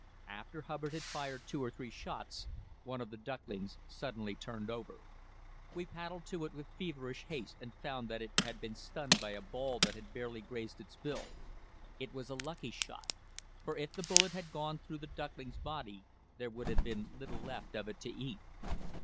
After Hubbard had fired two or three shots, one of the ducklings suddenly turned over. We paddled to it with feverish haste, and found that it had been stunned by a ball that had barely grazed its bill. It was a lucky shot; for if the bullet had gone through the duckling's body there would have been little left of it to eat.